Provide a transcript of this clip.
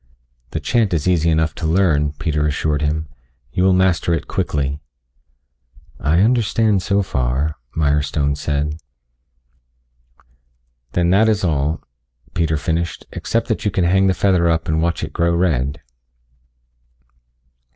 "The chant is easy enough to learn," Peter assured him. "You will master it quickly." "I understand so far," Mirestone said. "Then that is all," Peter finished, "except that you can hang the feather up and watch it grow red."